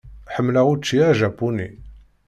Ḥemmleɣ učči ajapuni.